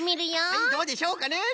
はいどうでしょうかね。